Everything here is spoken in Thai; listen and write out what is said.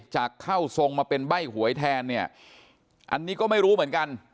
จากเข้าทรงมาเป็นใบ้หวยแทนเนี่ยอันนี้ก็ไม่รู้เหมือนกัน